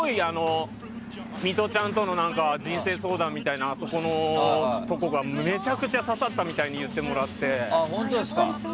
ミトちゃんとの人生相談みたいなあそこのところがめちゃくちゃ刺さったみたいに言ってもらって。